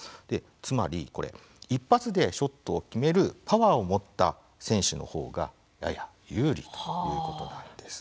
つまり、一発でショットを決めるパワーを持った選手のほうがやや有利ということなんです。